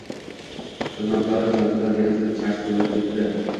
Tirnoqlarim zarbidan deraza charsillab ketdi